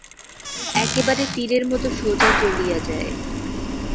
একেবারে তীরের মতো সোজা চলিয়া যায়।